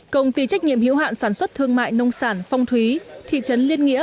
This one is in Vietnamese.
công ty trách nhiệm hiệu hạn sản xuất thương mại nông sản phong thúy thị trấn liên nghĩa